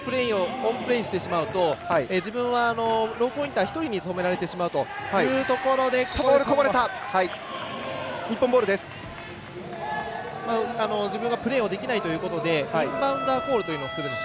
あのままオンプレーにしてしまうと自分はローポインター１人に止められてしまうというところで自分がプレーできないということでインバウンダーコールをするんです。